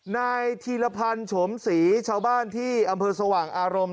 นายธีรพันธ์โฉมศรีชาวบ้านที่อำเภอสว่างอารมณ์